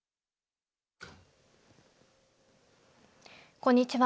こんにちは。